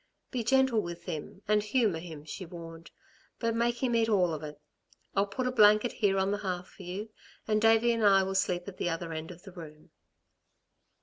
"Be gentle with him and humour him," she warned, "but make him eat all of it. I'll put a blanket here on the hearth for you, and Davey and I will sleep at the other end of the room."